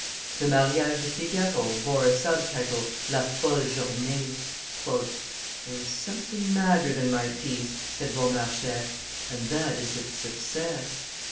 The Mariage de Figgaro bore a sub title, la Folle Journee. "There is something madder than my piece," said Beaumarchais, "and that is its success."